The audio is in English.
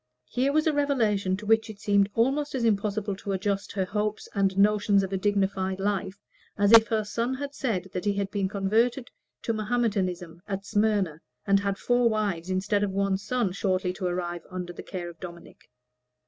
Here was a revelation to which it seemed almost as impossible to adjust her hopes and notions of a dignified life as if her son had said that he had been converted to Mahometanism at Smyrna, and had four wives, instead of one son, shortly to arrive under the care of Dominic.